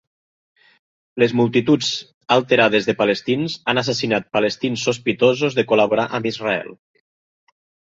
Les multituds alterades de palestins han assassinat palestins sospitosos de col·laborar amb Israel.